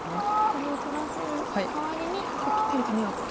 これを取らせるかわりにぴったり止めようと。